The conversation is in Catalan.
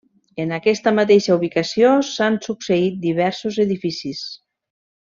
En aquesta mateixa ubicació s'han succeït diversos edificis.